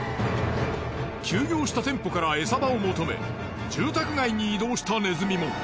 休業した店舗からエサ場を求め住宅街に移動したネズミも。